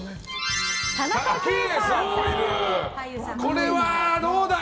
これはどうだ？